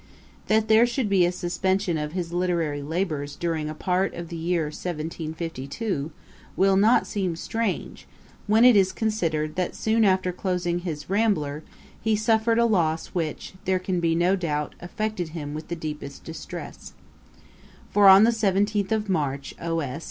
Ætat 43.] That there should be a suspension of his literary labours during a part of the year 1752, will not seem strange, when it is considered that soon after closing his Rambler, he suffered a loss which, there can be no doubt, affected him with the deepest distress. For on the 17th of March, O.S.